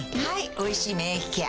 「おいしい免疫ケア」